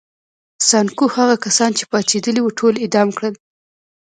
سانکو هغه کسان چې پاڅېدلي وو ټول اعدام کړل.